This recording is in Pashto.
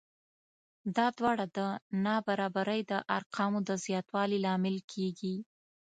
دا دواړه د نابرابرۍ د ارقامو د زیاتوالي لامل کېږي